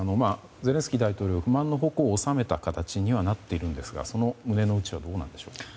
ゼレンスキー大統領は不満の矛を収めた形にはなっているんですがその胸の内はどうなんでしょう。